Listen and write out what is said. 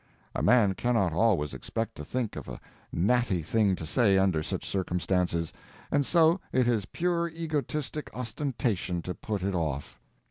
A man cannot always expect to think of a natty thing to say under such circumstances, and so it is pure egotistic ostentation to put it off.